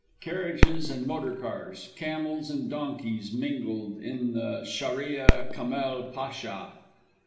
Carriages and motor cars, camels and donkeys mingled, in the Shâria Kâmel Pasha.